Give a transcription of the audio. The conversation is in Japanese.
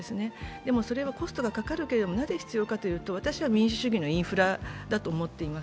でもコストがかかるけれどもなぜ必要かというと民主主義のインフラだと思っています。